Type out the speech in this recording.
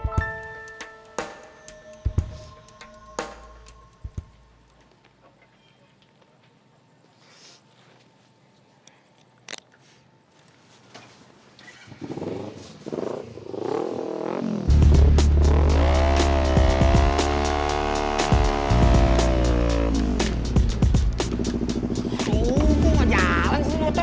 kau mau jalan sih motor